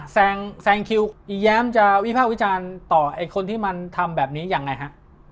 แซงคิวอีแย้มจะวิภาควิจารณ์ต่อไอ้คนที่มันทำแบบนี้ยังไงฮะ